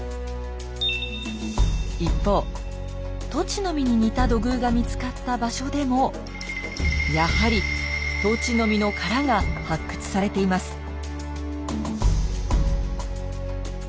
一方トチノミに似た土偶が見つかった場所でもやはりトチノミの殻が発掘されています。